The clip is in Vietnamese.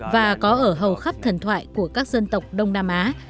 và có ở hầu khắp thần thoại của các dân tộc đông nam á